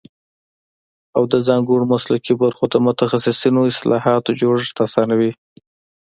او د ځانګړو مسلکي برخو د متخصصو اصطلاحاتو جوړښت اسانوي